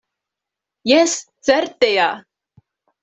Jes, certe ja!